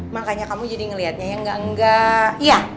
makanya kamu jadi ngeliatnya ya gak nggak iya